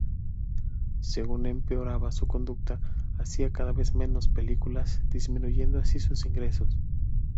Según empeoraba su conducta, hacía cada vez menos películas, disminuyendo así sus ingresos.